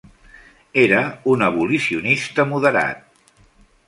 Era un abolicionista moderat.